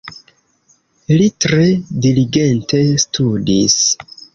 Li tre diligente studis.